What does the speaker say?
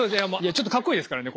ちょっとかっこいいですからね。